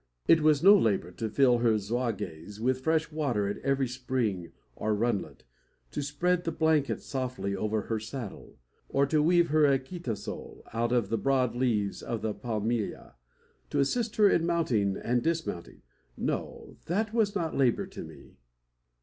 It was no labour to fill her xuages with fresh water at every spring or runlet, to spread the blanket softly over her saddle, to weave her a quitasol out of the broad leaves of the palmilla, to assist her in mounting and dismounting. No; that was not labour to me.